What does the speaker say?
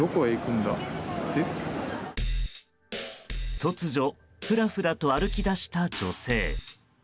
突如ふらふらと歩きだした女性。